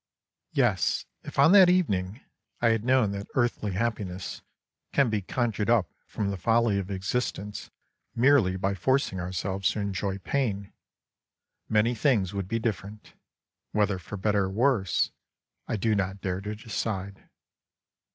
Yes, if on that evening I had known that earthly happi ness can be conjured up from the folly of existence merely by forcing ourselves to enjoy pain, many things would be different — whether for better or worse — I do not dare to decide.